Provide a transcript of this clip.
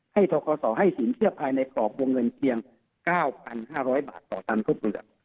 ทกศให้สินเชื่อภายในกรอบวงเงินเพียง๙๕๐๐บาทต่อตันทั่วเมือง